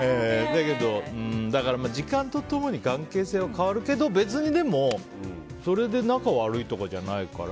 だから時間と共に関係性は変わるけど別にでも、それで仲悪いとかじゃないから。